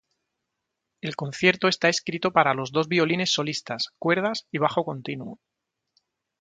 El concierto está escrito para los dos violines solistas, cuerdas y bajo continuo.